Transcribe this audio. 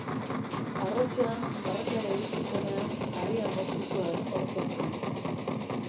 Arratsean barrakara iritsi zenean, haria moztu zuen hortzekin.